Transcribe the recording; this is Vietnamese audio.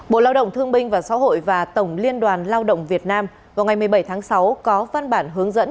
bộ lao động thương binh và xã hội và tổng liên đoàn lao động việt nam vào ngày một mươi bảy tháng sáu có văn bản hướng dẫn